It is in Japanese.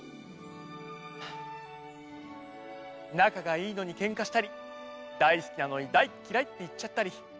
なかがいいのにケンカしたりだいすきなのに「だいきらい」っていっちゃったり。